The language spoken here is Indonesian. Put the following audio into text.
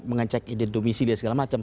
mengecek ide domisi dan segala macam